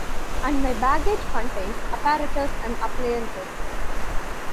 And my baggage contains apparatus and appliances.